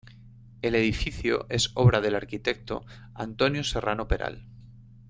El edificio es obra del arquitecto Antonio Serrano Peral.